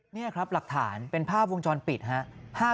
นี่ครับหลักฐานเป็นภาพวงจรปิดครับ